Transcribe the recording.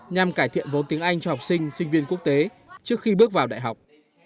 nhằm cải thiện vốn tiếng anh cho học sinh sinh viên quốc tế trước khi bước vào đại học